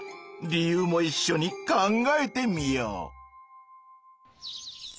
理由もいっしょに考えてみよう。